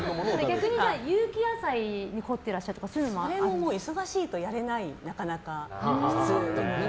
逆に有機野菜に凝ってらっしゃるとかそれも忙しいとやれない、なかなか。